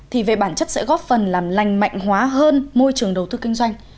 thì về bản chất sẽ góp phần làm lành mạnh hóa hơn môi trường đầu tư kinh doanh